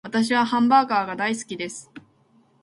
私はハンバーガーが大好きです